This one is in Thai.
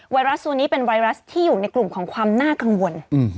ไรัสตัวนี้เป็นไวรัสที่อยู่ในกลุ่มของความน่ากังวล